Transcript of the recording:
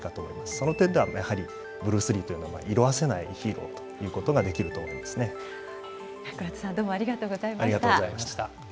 その点ではやはり、ブルース・リーというのは色あせないヒーロー倉田さん、どうもありがとうありがとうございました。